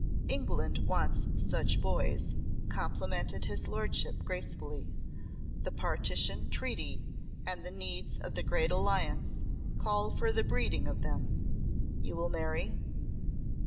"England wants such boys," complimented his lordship, gracefully. "The Partition Treaty and the needs of the Great Alliance call for the breeding of them. You will marry?"